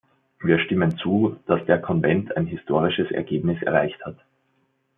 Wir stimmen zu, dass der Konvent ein historisches Ergebnis erreicht hat.